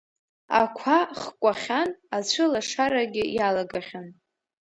Ақәа хкәахьан, ацәылашарагьы иалагахьан…